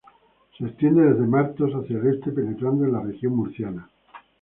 Se extiende desde Martos hacia el este penetrando en la región murciana.